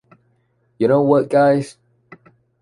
You know what, guys?